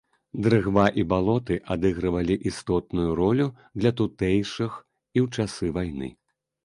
Дрыгва і балоты адыгрывалі істотную ролю для тутэйшых і ў часы вайны.